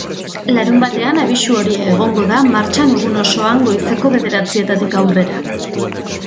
Larunbatean, abisu horia egongo da martxan egun osoan goizeko bederatzietatik aurrera.